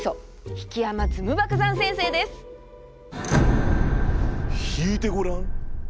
引いてごらん！